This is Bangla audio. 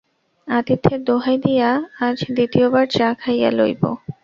আতিথ্যের দোহাই দিয়া আজ দ্বিতীয় বার চা খাইয়া লইব।